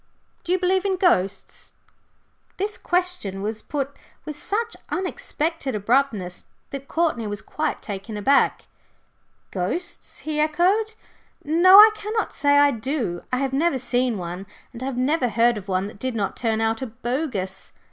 Do you believe in ghosts?" This question was put with such unexpected abruptness that Courtney was quite taken aback. "Ghosts?" he echoed. "No, I cannot say I do. I have never seen one, and I have never heard of one that did not turn out a bogus."